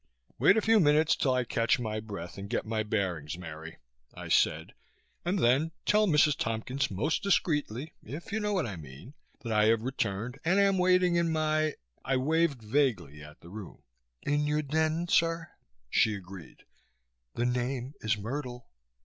"Wait a few minutes till I catch my breath and get my bearings, Mary," I said, "and then tell Mrs. Tompkins most discreetly, if you know what I mean, that I have returned and am waiting in my " I waved vaguely at the room. "In your den, sir," she agreed. "The name is Myrtle."